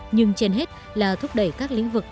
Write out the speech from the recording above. nhưng trên hết là thúc đẩy các lĩnh vực